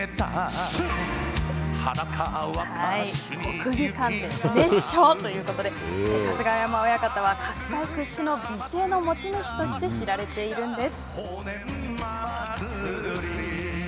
国技館で熱唱ということで春日山親方は角界屈指の美声の持ち主として知られているんです。